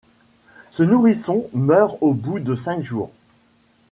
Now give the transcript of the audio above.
Ce nourrisson meurt au bout de cinq jours.